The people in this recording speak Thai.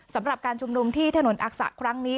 สำหรับการชุมนุมที่ถนนอักษะครั้งนี้